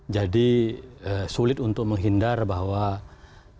jadi sulit untuk menghindar bahwa hasilnya